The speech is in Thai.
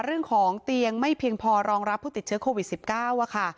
เรื่องของเตียงไม่เพียงพอรองรับผู้ติดเชื้อโควิด๑๙ค่ะ